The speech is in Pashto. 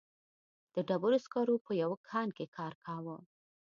د ډبرو سکرو په یوه کان کې کار کاوه.